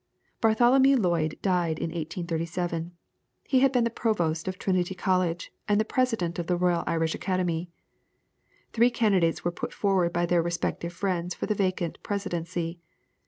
Bartholomew Lloyd died in 1837. He had been the Provost of Trinity College, and the President of the Royal Irish Academy. Three candidates were put forward by their respective friends for the vacant Presidency.